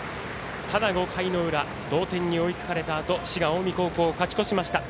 ただ、５回の裏同点に追いつかれたあと滋賀、近江高校、勝ち越しました。